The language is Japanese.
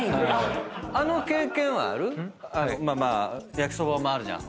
焼きそばもあるじゃん